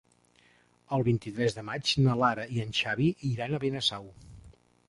El vint-i-tres de maig na Lara i en Xavi iran a Benasau.